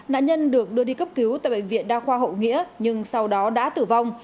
nạn nhân được đưa đi cấp cứu tại bệnh viện đa khoa hậu nghĩa nhưng sau đó đã tử vong